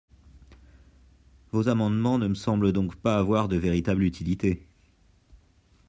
Vos amendements ne me semblent donc pas avoir de véritable utilité.